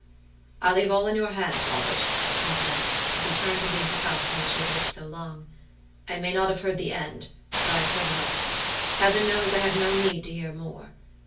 "I leave all in your hands, Robert," he said, as he turned to leave the house in which he had lived so long. "I may not have heard the end, but I have heard enough. Heaven knows I have no need to hear more.